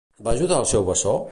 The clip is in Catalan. Va ajudar el seu bessó?